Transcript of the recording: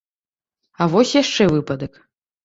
А вось яшчэ выпадак.